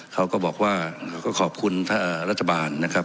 เขาก็บอกว่าก็ขอบคุณรัฐบาลนะครับ